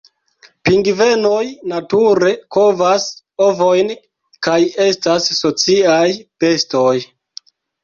Pingvenoj nature kovas ovojn kaj estas sociaj bestoj.